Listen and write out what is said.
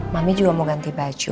mami juga mau ganti baju